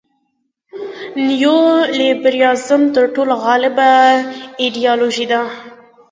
نیولیبرالیزم تر ټولو غالبه ایډیالوژي ده.